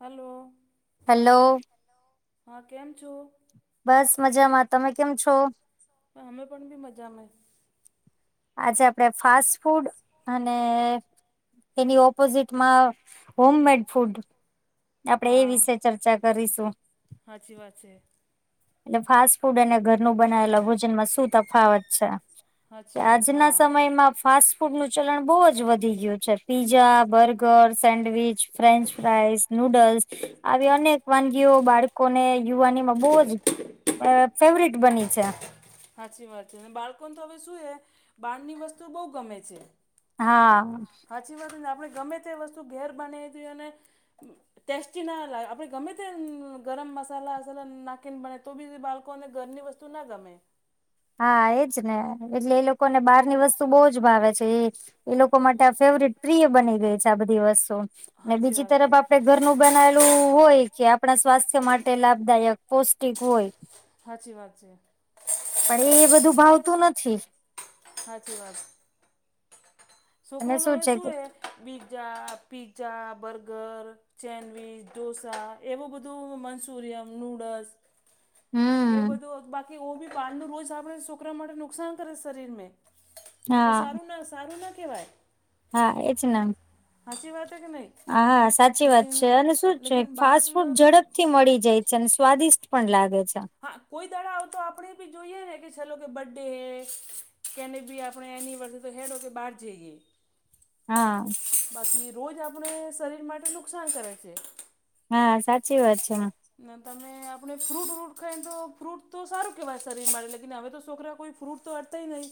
Hello hello હા કેમ છો? બસ મજામાં તમે કેમ છો? અમે પણ ભી મજામાં. આજે આપણે ફાસ્ટ ફૂડ. એની ઓપોઝિટમાં હોમમેડ ફૂડ. આપડે એ વિશે ચર્ચા કરીશું. સાાચી વાત છે. એટલે ફાસ્ટ ફૂડ અને ઘરનું બનાવેલા ભોજનમાં શું તફાવત છે? કે સાચી વાત આજના હા સમયમાં ફાસ્ટ ફૂડનું ચલણ બહુ જ વધી ગયું છ છે. Pizza, burger, sandwich, french fries, noodles. આવી અનેક વાનગીઓ બાળકોને યુવાનીમાં બહુ જ અ ફેવરિટ બની છે. સાચી વાત છે. અને બાળકોને તો હવે શું હે બારની વસ્તુઓ બહુ ગમે છે. હા. સાચી વાતને આપણે ગમે તે વસ્તુ ઘેર બનાવી દ અને ટેસ્ટી ના લાગ તો બી બાળકોને ઘરની વસ્તુ ના ગમે હા એજ ને એટલે એ લોકોને બહાર ની વસ્તુ બહુ જ ભાવે છે એ. એ લોકો માટે આ ફેવરિટ પ્રિય બની ગઈ છે આ બધી વસ્તુ અને સાચી બીજી વાત તરફ છે આપડ. ઘરનું બનાયલું હોય કે આપણા સ્વાસ્થ્ય માટે લાભદાયક પૌષ્ટિક હોય. સાાચી વાત છે. પણ એ બધું ભાવતું નથી. હાચી વાત. છોકરો અને ન હવે છે શું કે એ બીઝા પીઝા બર્ગર. ચેન્ડવીચ ડઢોસા એવું બધું મંચુરિયન નૂડલ્સ. એ હમ બધું બાકી ઓ બી પાન ન રોજ આપણે છોકરા માટે નુકસાન કરે શરીર ને. ઓ હા સારું ના સારું ના કેવાય. હા એજ ના. હસી વાત છે કે નહીં. હાા સાચી વાત લેકિન છે અને શું છે લેકિન ફાસ્ટ ફૂડ ઝડપ બાળક મળી જાય છે અને સ્વાદિષ્ટ પણ લાગે છે. હા કોઈ દડાવ તો આપડે બી જોઈએ ને કે ચલો કે બર્ડે હે કેને બી આપણે એનિવર્સરી તો હેડો કે બહાર જઈએ હા બાકી રોજ આપણે શરીર માટે નુકસાન કરે છે. હા સાચી વાત છે માં ના તમને આપણે ફ્રૂટ વ્રૂટ ખાઈ ને તો ફ્રૂટ તો સારું કહેવાય શરીર માટેે લેકન હવે તો છોકરા કોઈ ફ્રૂટ તો અડતાય નહીં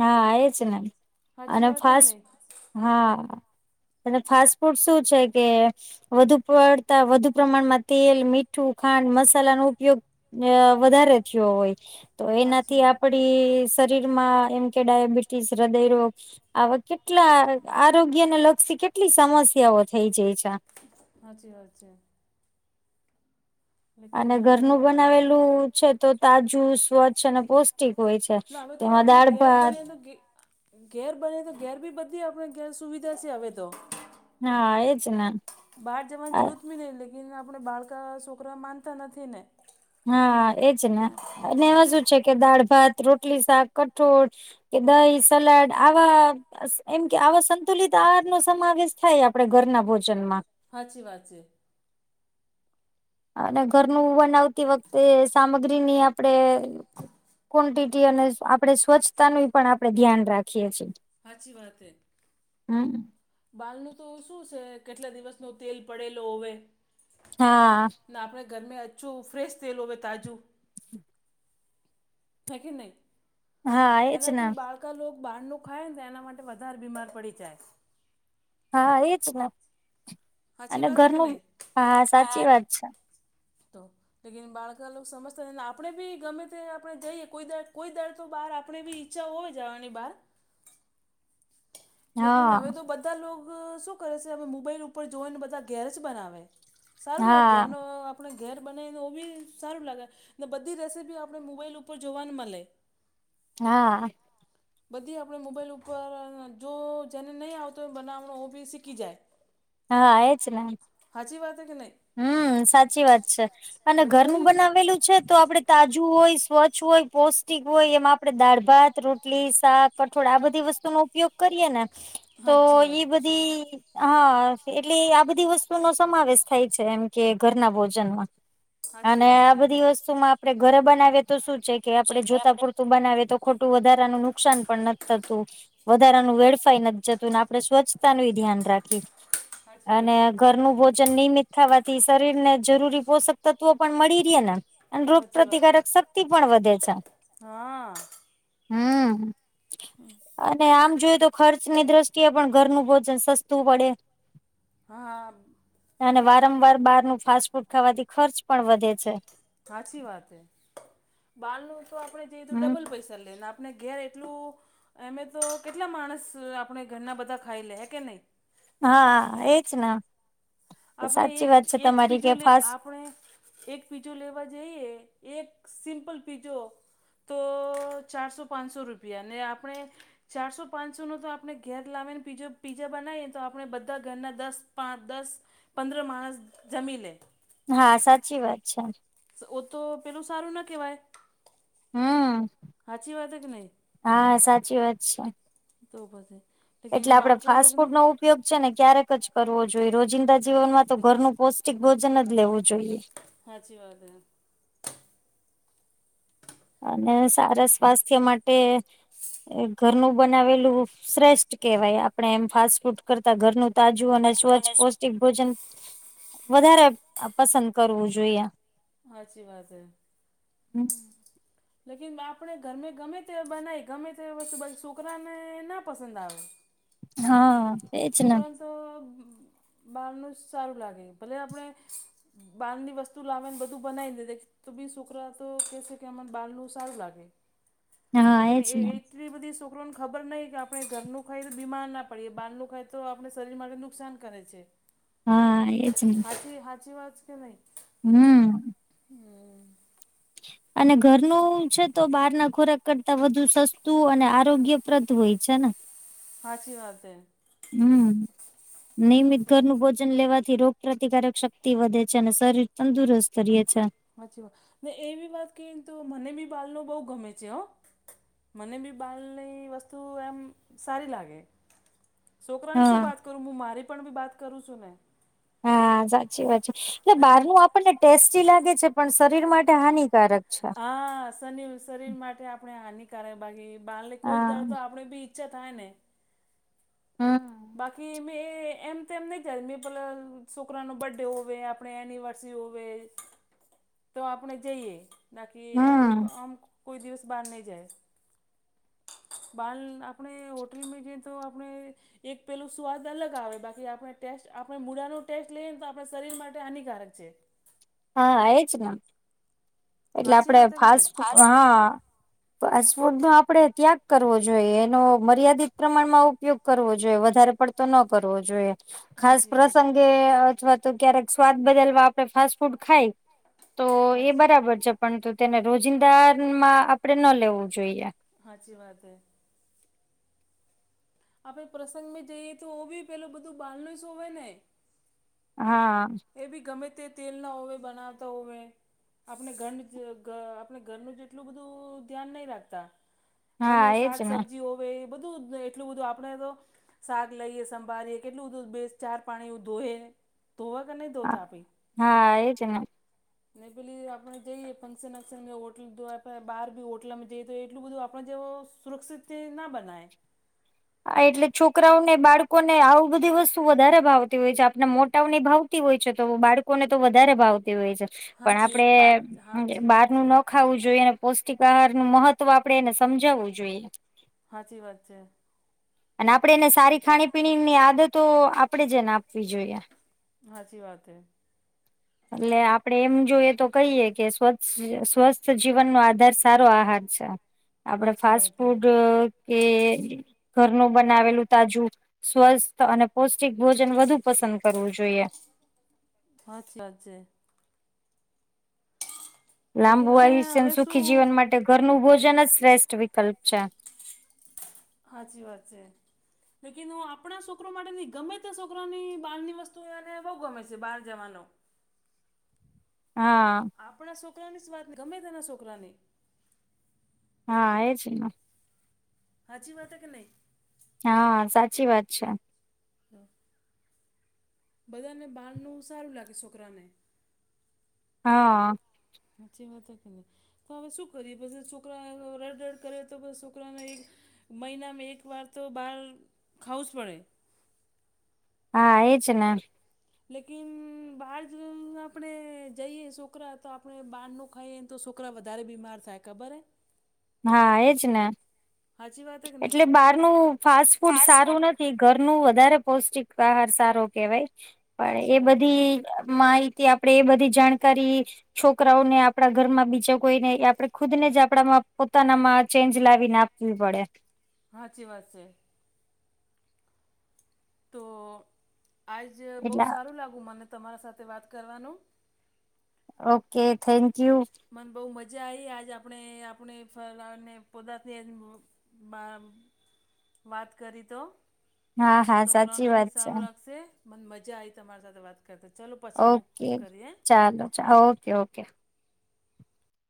હા એ જ ને સાચી અને વાત કે ફાસ્ટ નહીં હા અને ફાસ્ટ ફૂડ શું છે કે વધુ પડતા વધુ પ્રમાણમાં તેલ મીઠું ખાંડ મસાલાનો ઉપયોગ અ વધારે થયો હોય તો સાચી એનાથી વાત આપડી શરીરમાં એમ કે ડાયાબિટીસ હૃદયરોોગ આવા કેટલા આરોગ્યને લક્ષી કેટલી સમસ્યાઓ થઈ જાય છે. હજ હ છે. અને લેકિન હવે ઘરનું બનાવેલું છે તો તાજું સ્વચ્છ અને પૌષ્ટિક હોય છે. ના હવે તો તેમાં આપણે દાળ ઘેર ભાત બને તો ઘે ઘેર બને તો ઘેર બી બધી આપણે ઘેર સુવિધા છે હવે તો હા એજ ને બહાર જવાની જરૂરત બી નહીં લેકન આપણે બાળકા છોકરા માનતા નથી ને. હા એજ ને અને એમાં શું છે કે દાળ ભાત રોટલી શાક કઠોળ કે દહી સલાડ આવા આસ એમ કે આવા સંતુલિત આહાર નો સમાવેશ થાય આપડે ઘરના ભોજન માં. હાચી વાત છે. અને ઘરનું બનાવતી વખતે સામગ્રી ની આપડે કોન્ટીટી અને આપણે સ્વચ્છતા ન પણ આપડણે ધ્યાન રાખીએ છીએ. સાચી વાત હમ બાલનું તો શું છે કેટલા દિવસનો તેલ પડેલો હોવે હા ના આપણે ઘરમે અચછું ફ્રેશ તેલ હોવે તાજું નથીખી નહી હા એજ એનઆર ને ટટી બળ કા લોક બહારનું ખાય ને તો એના માટે વધારે બીમાર પડી જાય. હા એજ ને સાચી અને વાત છે કે ઘરનું નહીં હા સાચી વાત છે. તો. લેકિન બાળકા લોકો સમજતાને આપણે બી ગમે તે આપણે જઈએ કોઈ દર કોઈ દર તો બહાર આપણે બી ઈછા હોય જવાની બહાર લેકિન હા હવે તો બધા લોકો શું કરે છે હવે મોબાઈલ ઉપર જોઓને બધા [unintelligible] બનાવે. સારું લાગે એ હા નો આપણે ઘેર બનાવીને ઓ બી સારું લાગે ને બધી રેસીપી આપણે મોબાઈલ ઉપર જોવાને મળે. હા. બધી આપણે મોબાઈલ ઉપર જો જેને નહીં આવતો હોય બનાવણ ઓ બી શીખી જાય. હા એ જ ને. હચી વાત હે કે નઈ. હમ્મ સાચી વાત છે અને તો ઘરનું બધી બનાવેલું છે તો આપડે તાજું હોય સ્વચ્છ હોય પૌષ્ટિક હોય એમાં આપડે દાળ ભાત રોટલી શાક કઠોળ આ બધી વસ્તુનો ઉપયોગ કરીએ ને. વસ્તુનો ઉપયોગ કરીએ ને તો હાચી વાત ઈ બધી હા એટલે આ બધી વસ્તુ નો સમાવેશ થાય છે એમ કે ઘરના ભોજનમાં હાચી અને વાત આ છે બધી વસ્ત શું માં આપડે ઘર બનાવીએ તો શું છે કે આપડે જોતા પૂરતું બનાવે તો ખોટું વધારાનું નુકસાન પણ નથ થતું. વધારાનું વેડફાઈ નથી, જતું ને આપડણે સ્વચ્છતા ન ધ્યાન રાખીએ હાચી વાત અને છે ઘરનું ભોજન નિમિત ખાવાથી શરીર ને જરૂરી પોષક તત્વો પણ મળી ર ને અને રોગ હાચી વાત છે પ્ર્રતિકારક શક્તિ પણ વધે છે. હા હમ્મ હા અને આમ જોય તો ખર્ચની દ્રષ્ટિએ પણ ઘરનું ભોજન સસ્તું પડે હા અને વારંવાર બહાર નું ફાસ્ટ ફૂડ ખાવાથી ખર્ચ પણ વધે છે. સાચી વાત હ બાળ નું તો આપડણે જઈધું હમ. ડબલ પૈસા લેને આપણે ઘેર એટલું એમે તો કેટલા માણસ આપણે ઘરના બધા ખાઈ લે કે નહી. હા એજ ના આપણે એક એક પીજો કે લ ફાસ્ટ આપણે એક પીજો લેવા જઈએ એક સિમ્પલ પીજો તો ચારસો પાંચસો રૂપિયા ને આપણે ચારસો પાંચસોનો તો આપણે ઘેર લાવીને પીજો પીઝા બનાવીએ તો આપણે બધા ઘરના દસ પાં દસ પંદ્ર માણસ જમી લ હા સાચી વાત છે. ઓ તો પેલું સારું ના કહેવાય. હા હાચી વાત કે નહી. હા સાચી વાત છે. તો પસે એટલે આપણે ફાસ્ટ ફૂડ નો ઉપ ઉપયોગ છે ને ક્યારેક જ કરવો જોઈએ રોજિંદા જીવન માં તો ઘરનું પૌષ્ટિક ભોજન જ લેવું જોઈએ. સાાચી વાત હ અને સારા સ્વાસ્થ્ય માટે એ ઘરનું બનાવેલું શ્રેષ્ઠ કેહેવાય. આપણે એમ ફાસ્ટ ફૂડ કરતા ઘરનું તાજું અને સ્વચ્છ પૌષ્ટિક ભોજન વધારે પસંદ કરવું જોઈએ. હાચી વાતે. લેકિન આપણે ઘરમે ગમે તે બનાવી ગમે તે વસ્ છોકરાને ના પસંદ આવે. હા એજ ના. છોકરાને તો બહારનું સારું લાગે ભલે આપણે બાર ની વસ્તુ લાવે ને બધું બનાવી દ દે તો બી છોકરા તો કે છે, કે એમ બાળનું સારું લાગે હા લેકિન એ એજ એ ને એટલી બધી છોકરોને ખબર નહી કે આપડણે ઘરનું ખાય તો બીમાર ના પડીએ બાહાર નું ખાય તો આપણે શરીર માટે નું નુકસાન કરે છે. હા એજ નહી. હચી વાત કે નહી. હમ્મ હમ. અને ઘરનું છે તો બહાર ના ખોરાક કરતા વધુ સસ્તું અને આરોગ્ય તત્ર ધોય છે. સાચી વાત છે. હમ નિયમિત સાચી વાત ઘરનું બું વન લેવાથી રોગ પ્ર્રતિકારક શક્તિ વધે છે અને શરીર તંદુરસ્ત કરીે છે. સાચછી વાત ને એવી વાત કને તો મને બી બાલનો બહુ ગમે છે હો. મને બી બાલની વસ્તુ એમ સારી લાગે. છોકરાની હા શું વાત કરું હું મારી પણ બી વાત કરું છું ને. હા સાચી વાત છે એટલે બહારનું આપણને ટેસ્ટી લાગે છે પણ શરીર માટે હાનિકારક. છે. હા સનીલ શરીર માટે આપણે હની કારણ બાગી બાહાર ને કોઈક હા દર તો આપણેે બી ઈચ્છા થાયને. હા. બાકી મેં એ એમ તેમ નહીં જાડે મેં પહેલાં છોકરાનો બર્થડે હોવે આપણે એનિવર્સરી હોવે [inaudible] તો આપણે જઈએ બાકી એમ આમ કોઈ દિવસ બહાર નહી જયે. બાલ આપણે હોટલમાં જઈએ તો આપણે એક પેલું સ્વાદ અલગ આવે બાકી આપણે ટેસ્ટ આપણે મૂળાનો ટેસ્ટ લઈએને તો આપણા શરીર માટે હાનિકારક છે. હા એજ ને એટલે સાચી આપડે વાત હે કે નહીં ફાસ્ટ ફૂડ હા. ફાસ્ટફૂડ નો આપડે ત્યાગ કરવો જોઈએ એનો મર્યાદિત પ્રમાણમાં ઉપયોગ કરવો જોઈએ વધારે પડતો ન કરવો જોઈએ. ખાસ હાચી વાત. પ્રસંગે અથવા તો ક્યારેક સ્વાદ બદલવા આપડે ફાસ્ટ ફૂડ ખાય. તો એ હાચી બરાબર છે પણંતુ તેને રોજિંદામાં આપણેે ન લેવું જોઈએ. હાચી વાત હૈ. આપડે પ્રસંગ મે જઈએ તો ઓ બી પેલું બધું બાલણુંસ હોવે ને. હા. એ ભી ગમે તે તેલ ના હોવે બનાવતા હોવે. આપણે ઘરનું જ ગા આપણે ઘરનું જેટલું બધું ધ્યાન નહીં રાખતા. ગમે હા એજ શાક ને સબ્જી હોવે એ બધું એટલું બધું આપણે તો શાક લઈએ સંભારીએ કેટલુંબધું બે ચાર પાણી એવુ ધોઈએ, ધોવા હા એજ ને [unintelligible] ને પેલી આપણે જઈએ ફંક્શન વક્શન હોટલ બહાર બી હોટલમાંમે જઈએ તો એટલું બધું આપણે જેવો સુરક્ષિત ના બનાએ. એટલે છોકરાઓને બાળકોને આવું બધી વસ્તુ વધારે ભાવતી હોય છે આપને મોટાઓની ભાવ તી હોય છે તો બાળકોને તો વધારે ભાવતી હોય છે પણ હાચી આપડે હા હાચી બાર વાત નું છે. ના ખ ખાવું જોઈએ અને પૌષ્ટિક આહાર નું મહત્વ આપડે એને સમજાવવું જોઈએ. સાચી વાત છે. અને આપણે એને સારી ખાણી પીણીની આદતો આપણે જને આપવી જોઈએ. સાાચી વાત હૈ. એટલે આપડે એમ જોઈએ તો કહીએ કે સ્વછ સ્વસ્થ જીવનનો આધાર સારો આહાર અચ્છા, આપડે હાચી ફાસ્ટ વાત હે ફૂડ કે ઘરનું બનાવેલું તાજું. સ્વસ્થ અને પૌષ્ટિક ભોજન વધુ પસંદ કરવું જોઈએ. હચજ અચ્ છે. લાંબુ લેકિન હવે આયુષ્યન હવે સુખી શું જીવન માટે ઘરનું ભોજન જ શ્રેષ્ઠ વિકલ્પ છે. હાચી વાત છે. લેકિન આપણા છોકરો માટે ની ગમે તે છોકરાની બહારની વસ્તુ એને બહુ ગમે છે બહાર જવાનો. હા. આપણા છોકરાની જ વાત ન ગમે તેના છોકરાની. હા એ છેમાં. હાચી વાત કે નહી? હા સાચી વાત છે. હમ. બધાને બાહારનું સારું લાગે છોકરાને. હા. હચી વાત કે ન. તો હવે શું કરીએ પછી છોકરા રડ રડ કરે તો બછ છોકરાને એક મહિનામાં એક વાર તો બહાર ખાવું જ પડે. હા એજ ને. લેકિન બહાર જો આપણે જઈએ છોકરા તો આપણે બહાર નું ખાઇ. તો છોકરા વધારે બીમાર થાય ખબર હે? હા એજ ને. હાચી વાત હે કે નહીં એટલે બહારનું ફાસ્ટ ફૂડ સારું નથી. ઘરનુ વધારે પૌષ્ટિક આહાર સારો કેહેવાય, પણ હાચી એ વાત હે બધી માઈ આપણેે એ બધી જાણકારી છોકરાઓને આપડા ઘરમાં બીજા કોઈને આપે ખુદ ને જ આપડા પોતાના ચેન્જ લાવીને આપ પડે. હાચી વાત છે. તો આજ બહુ એટલે સારું લાગું મને તમારા સાથે વાત કરવાનું. Okay thank you. મને બહુ મજા આવી આજ આપણે આપણે ફળને મા વાત કરી તો. હા હા છોકરાને સાચી બી વાત છે. સારું લાગશે, મને મજા આઈ તમારી સાથે વાત કરતા ચલો પાછા ઓકે ચાલો ઓકે ઓકે.